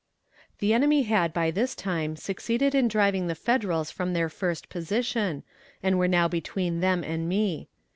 The enemy had by this time succeeded in driving the Federals from their first position, and were now between them and me.